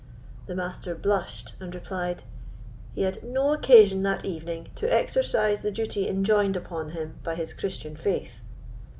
The Master blushed and replied, "He had no occasion that evening to exercise the duty enjoined upon him by his Christian faith."